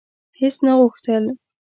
هیڅ نه غوښتل: